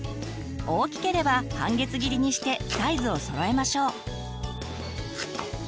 大きければ半月切りにしてサイズをそろえましょう。